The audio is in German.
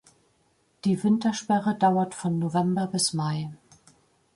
Die Wintersperre dauert von November bis Mai.